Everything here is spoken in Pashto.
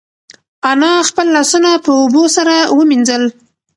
انا خپل لاسونه په اوبو سره ومینځل.